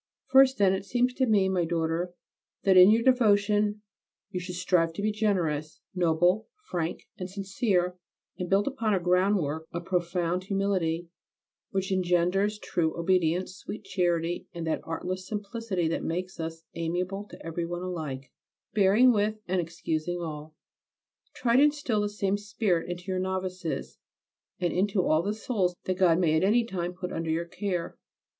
First, then, it seems to me, my daughter, that in your devotion you should strive to be generous, noble, frank and sincere, and build upon a groundwork of profound humility which engenders true obedience, sweet charity, and that artless simplicity that makes us amiable to every one alike, bearing with and excusing all. Try to instil this same spirit into your novices and into all the souls that God may at any time put under your care.